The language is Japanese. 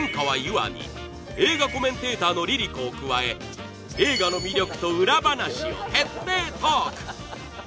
愛に映画コメンテーターのＬｉＬｉＣｏを加え映画の魅力と裏話を徹底トーク！